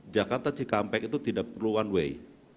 jakarta cikampek itu tidak perlu one way